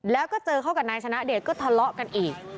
แล้วก็เจอเขากับนายชนะเดชก็ทะเลาะกันอีก